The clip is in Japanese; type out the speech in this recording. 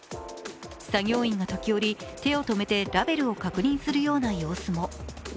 作業員が時折、手を止めてラベルを確認するような様子も。